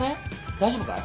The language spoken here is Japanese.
大丈夫かい？